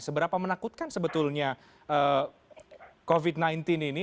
seberapa menakutkan sebetulnya covid sembilan belas ini